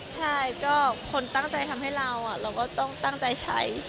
ใช่ก็คนตั้งใจทำให้เราเราก็ต้องตั้งใจใช้